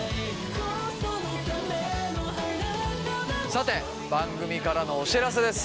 さて番組からのお知らせです。